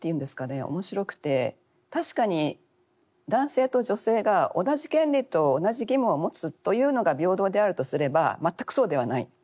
面白くて確かに男性と女性が同じ権利と同じ義務を持つというのが平等であるとすれば全くそうではない。